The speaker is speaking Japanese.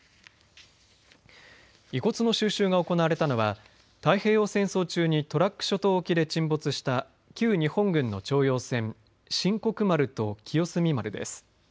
遺骨の収集が行われたのは太平洋戦争中にトラック諸島沖で沈没した旧日本軍の徴用船神国丸と清澄丸です。